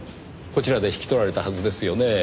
こちらで引き取られたはずですよねぇ。